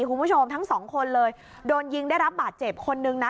คุณผู้ชมทั้งสองคนเลยโดนยิงได้รับบาดเจ็บคนนึงนะ